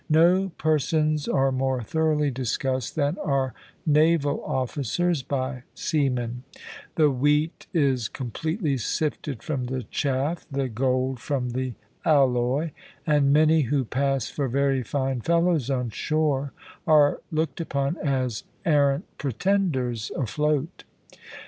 No persons are more thoroughly discussed than are naval officers by seamen; the wheat is completely sifted from the chaff, the gold from the alloy; and many who pass for very fine fellows on shore are looked upon as arrant pretenders afloat.